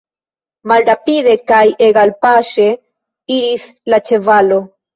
Malrapide kaj egalpaŝe iris la ĉevalo.